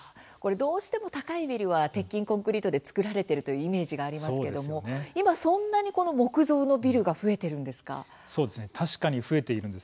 どうしても高いビルは鉄筋コンクリートで造られているというイメージがありますけども今そんなに木造のビルが確かに増えているんです。